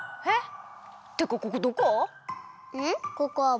えっ！